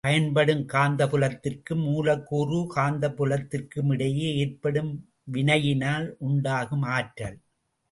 பயன்படும் காந்தப்புலத்திற்கும் மூலக்கூறு காந்தப் புலத்திற்கும் இடையே ஏற்படும் வினையினால் உண்டாகும் ஆற்றல்.